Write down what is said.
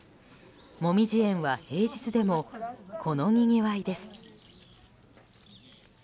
もみじ苑は平日でもこのにぎわいです。